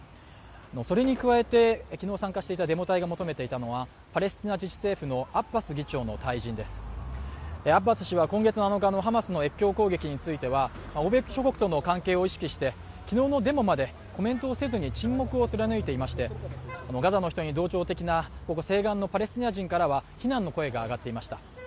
それに加えて、昨日参加したデモ隊が求めていたのはパレスチナ自治政府のアッバス議長の退任ですアッバス氏はこんげつ７日のハマスの越境攻撃については、欧米諸国との関係から昨日のデモまでコメントをせずに沈黙を貫いていまして、ガザの人に同情的な西岸のパレスチナ人にからは非難の声が上がっていました。